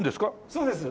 そうです。